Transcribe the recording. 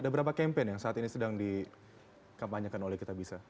ada berapa campaign yang saat ini sedang dikampanyekan oleh kitabisa